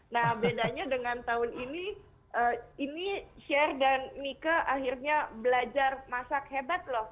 nah bedanya dengan tahun ini ini sher dan mika akhirnya belajar masak hebat loh